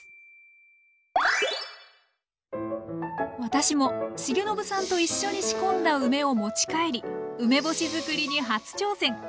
私も重信さんと一緒に仕込んだ梅を持ち帰り梅干し作りに初挑戦。